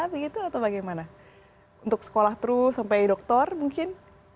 begitu atau bagaimana untuk sekolah terus sampai dokter mungkin